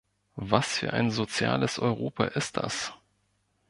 Was für ein soziales Europa ist das?